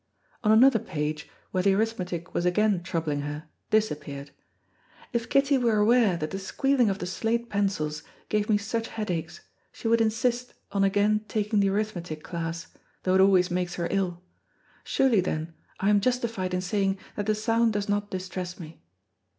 On another page, where the arithmetic was again troubling her, this appeared: "If Kitty were aware that the squealing of the slate pencils gave me such headaches, she would insist on again taking the arithmetic class, though it always makes her ill. Surely, then, I am justified in saying that the sound does not distress me."